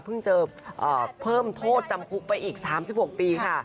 เพิ่งเจอเพิ่มโทษจำคุกไปอีก๓๖ปีค่ะ